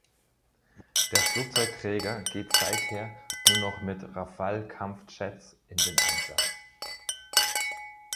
Der Flugzeugträger geht seither nur noch mit "Rafale-Kampfjets" in den Einsatz.